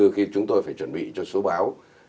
khi chúng tôi phải chuẩn bị cho số báo